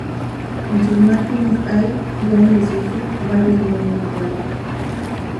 En sus márgenes hay, ya en desuso, varios molinos de agua.